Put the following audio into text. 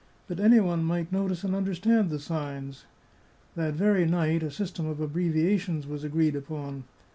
But any one might notice and understand the signs; that very night a system of abbreviations was agreed upon.